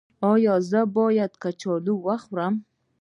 ایا زه باید کچالو وخورم؟